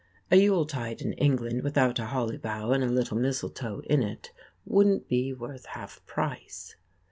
A Yuletide in England without a holly bough and a little mistletoe in it wouldn't be worth half price.